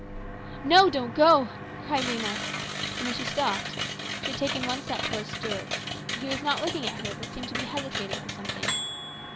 " No ; don't go !" cried Rhena, and then she stopped. She had taken one step towards Stuart. He was not looking at her, but seemed to be hesi tating for something.